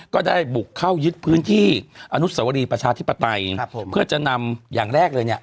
ก็ได้บุกเข้ายึดพื้นที่อนุสวรีประชาธิปไตยเพื่อจะนำอย่างแรกเลยเนี่ย